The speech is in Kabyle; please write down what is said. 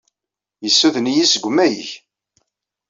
Yessuden-iyi seg umayeg.